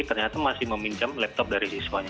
ternyata masih meminjam laptop dari siswanya